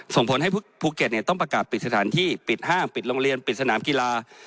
ส่งผลให้ภูเก็ตต้องประกาศปิดสถานที่ปิดห้างปิดโรงเรียนปิดสนามกีฬา